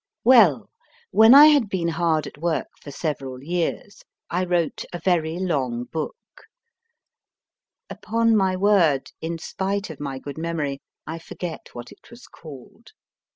Well, when I had been hard at work for several years, I wrote a very long book upon my word, in spite of my good memory, I forget what it was called.